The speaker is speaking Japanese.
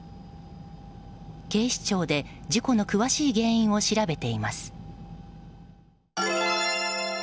警視庁で事故の詳しい原因を調べています。